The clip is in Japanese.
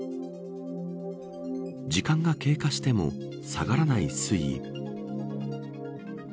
時間が経過しても下がらない水位。